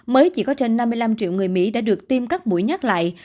mới chỉ có trên năm mươi năm triệu người mỹ đã được tiêm các mũi nhắc lại